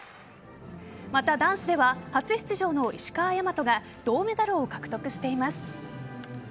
また、男子では初出場の石川和が銅メダルを獲得しています。